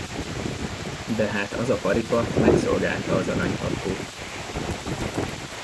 De hát az a paripa megszolgálta az aranypatkót.